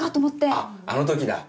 あっあの時だ。